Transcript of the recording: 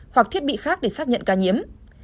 hoặc thiết bị khác để xác nhận ca nhiễm